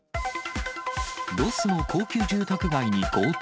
ロスの高級住宅街に強盗。